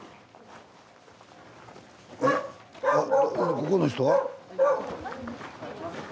ここの人は？